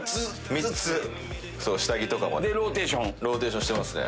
３つ下着とかもローテーションしてますね。